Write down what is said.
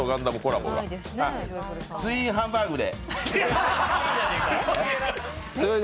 ツインハンバーグで。